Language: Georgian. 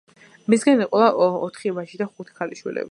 მისგან ეყოლა ოთხი ვაჟი და ხუთი ქალიშვილი.